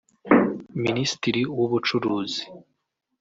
Minsitiri w’Ubucuruzi